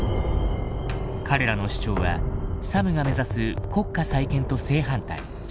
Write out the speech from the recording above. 彼らの主張はサムが目指す国家再建と正反対。